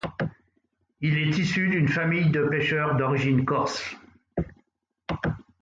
Il est issu d'une famille de pêcheurs d'origine corse.